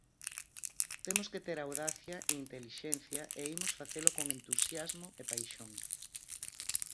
Temos que ter audacia e intelixencia e imos facelo con entusiasmo e paixón.